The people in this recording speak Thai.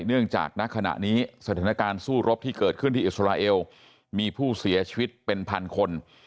ณจากณขณะนี้สถานการณ์สู้รบที่เกิดขึ้นที่อิสราเอลมีผู้เสียชีวิตเป็นพันคน